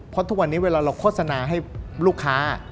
เพราะทุกวันนี้เวลาเราโฆษณาให้ลูกค้า